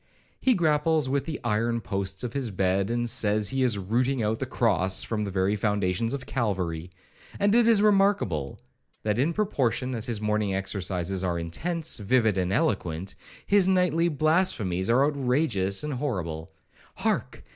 He grapples with the iron posts of his bed, and says he is rooting out the cross from the very foundations of Calvary; and it is remarkable, that in proportion as his morning exercises are intense, vivid, and eloquent, his nightly blasphemies are outrageous and horrible—Hark!